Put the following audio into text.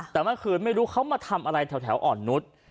แต่เมื่อคืนไม่รู้เขามาทำอะไรแถวอ่อนนุษย์